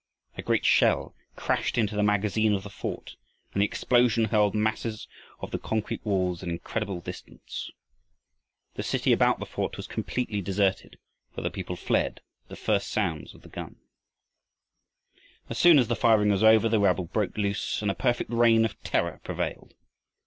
A great shell crashed into the magazine of the fort, and the explosion hurled masses of the concrete walls an incredible distance. The city about the fort was completely deserted, for the people fled at the first sound of the guns. As soon as the firing was over, the rabble broke loose and a perfect reign of terror prevailed.